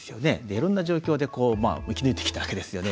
いろんな状況で生き抜いてきたわけですよね。